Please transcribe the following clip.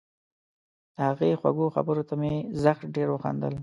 د هغې خوږو خبرو ته مې زښت ډېر وخندل